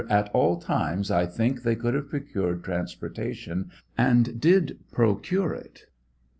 At all times I think they could have procured transportation, and did procure it.